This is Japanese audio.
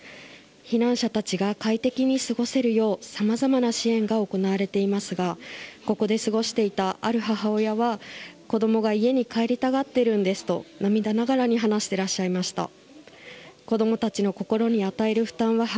避難者たちが快適に過ごせるようさまざまな支援が行われていますがここで過ごしていたある母親は子供が家に帰りたがっているんですと涙ながらに話していらっしゃいました。